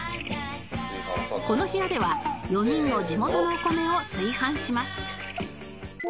この部屋では４人の地元のお米を炊飯します